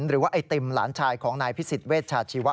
หรือว่าไอติมหลานชายของนายพิสิทธิเวชชาชีวะ